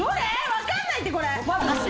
わかんないってこれ。